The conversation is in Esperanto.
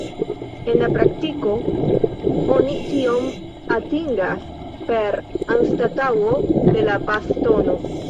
En la praktiko oni tion atingas per anstataŭo de la bas-tono.